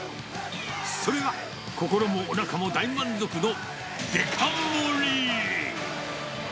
それは、心もおなかも大満足のデカ盛り。